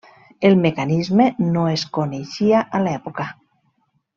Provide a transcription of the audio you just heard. El mecanisme no es coneixia a l'època.